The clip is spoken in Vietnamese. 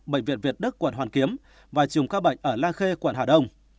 bệnh viện việt đức quận hoàn kiếm và trùng cao bệnh ở lan khê quận hà đông